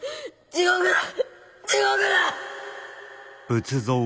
地獄だ！